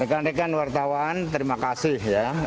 rekan rekan wartawan terima kasih ya